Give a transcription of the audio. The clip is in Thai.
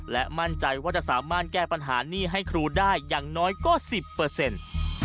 และมั่นใจว่าจะสามารถแก้ปัญหาหนี้ให้ครูได้อย่างน้อยก็สิบเปอร์เซ็นต์